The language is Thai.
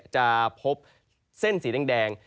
จะพบเส้นสีแดง